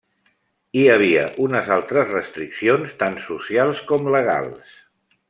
Hi havia unes altres restriccions, tant socials com legals.